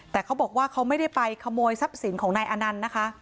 แต่เขาบอกว่าเขาไม่ได้ไปขโมยทรัพย์สินของนายอนันต์นะคะ